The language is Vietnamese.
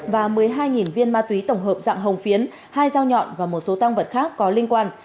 và một mươi hai viên ma túy tổng hợp dạng hồng phiến hai dao nhọn và một số tăng vật khác có liên quan